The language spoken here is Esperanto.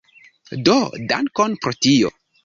Do dankon pro tio